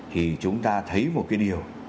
thì chúng ta thấy một cái điều